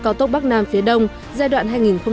cao tốc bắc nam phía đông giai đoạn